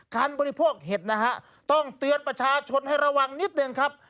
บริโภคเห็ดนะฮะต้องเตือนประชาชนให้ระวังนิดหนึ่งครับ